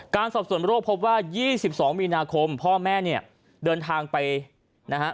สอบส่วนโรคพบว่า๒๒มีนาคมพ่อแม่เนี่ยเดินทางไปนะฮะ